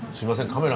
カメラ